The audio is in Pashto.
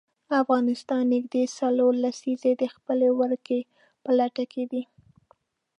افغانستان نژدې څلور لسیزې د خپلې ورکې په لټه کې دی.